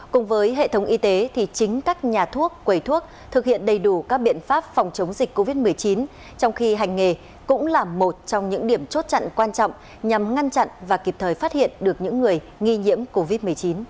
cùng với hệ thống y tế thì chính các nhà thuốc quầy thuốc thực hiện đầy đủ các biện pháp phòng chống dịch covid một mươi chín trong khi hành nghề cũng là một trong những điểm chốt chặn quan trọng nhằm ngăn chặn và kịp thời phát hiện được những người nghi nhiễm covid một mươi chín